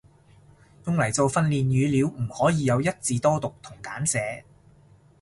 用嚟做訓練語料唔可以有一字多讀同簡寫